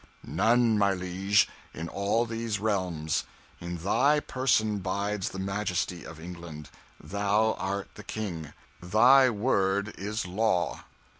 "None, my liege, in all these realms. In thy person bides the majesty of England. Thou art the king thy word is law."